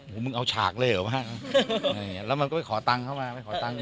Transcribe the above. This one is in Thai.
โหมึงเอาฉากเลยเหรอบ้างแล้วมันก็ไปขอตังค์เข้ามา